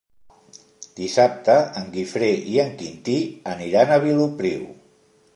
Dissabte en Guifré i en Quintí aniran a Vilopriu.